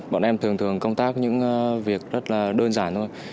bọn em thường thường công tác những việc rất là đơn giản thôi